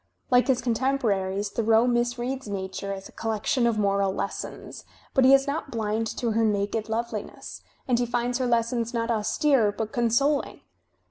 Like his contem poraries, Thoreau misreads Nature as a collection of moral lessons, but he is not blind to her naked loveliness, and he finds her lessons not austere, but consoling.